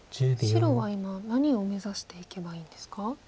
白は今何を目指していけばいいんですか？